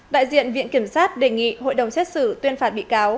đại diện viện kiểm sát đề nghị hội đồng xét xử tuyên phạt bị cáo